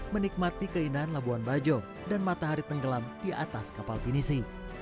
menikmati keindahan labuan bajo dan matahari tenggelam di atas kapal pinisi